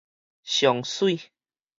上媠